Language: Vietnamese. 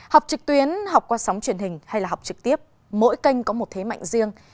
học trực tuyến học qua sóng truyền hình hay là học trực tiếp mỗi kênh có một thế mạnh riêng